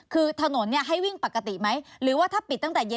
คือถนนให้วิ่งปกติไหมหรือว่าถ้าปิดตั้งแต่เย็น